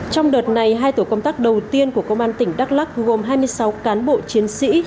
trong đợt này hai tổ công tác đầu tiên của công an tỉnh đắk lắc gồm hai mươi sáu cán bộ chiến sĩ